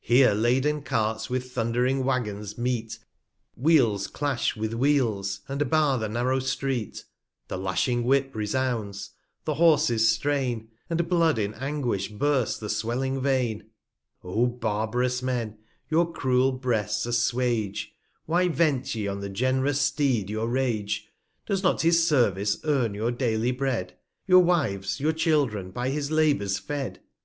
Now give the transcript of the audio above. Here laden Carts with thundring Waggons meet, Wheels clash with Wheels, and bar the narrow Street; The lashing Whip resounds, the Horses strain, And Blood in Anguish bursts the swelling Vein, no O barb'rous Men, your cruel Breasts asswage, Why vent ye on the gen'rous Steed your Rage? Does not his Service earn your daily Bread ? Your Wives, your Children, by his Labours fed!